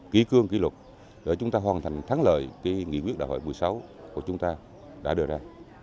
ký cương ký luật để chúng ta hoàn thành thắng lợi cái nghị quyết đại hội một mươi sáu của chúng ta đã đưa ra